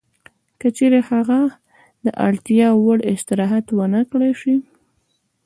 که چېرې هغه د اړتیا وړ استراحت ونه کړای شي